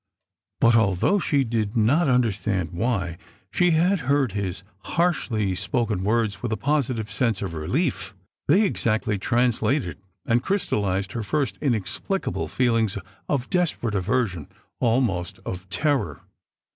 But, although she did not understand why, she had heard his harshly spoken words with a positive sense of relief. They exactly translated and crystallised her first inexplicable feelings of desperate aversion almost of terror.